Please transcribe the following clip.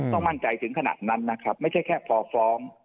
ต้องมั่นใจถึงขนาดนั้นนะครับไม่ใช่แค่พอฟ้อง